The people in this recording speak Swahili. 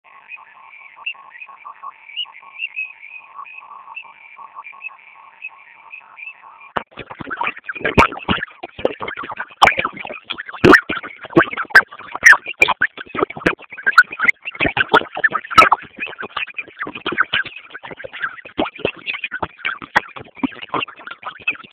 Marais Uhuru Kenyata wa Kenya Yoweri Museveni wa Uganda na Paul Kagame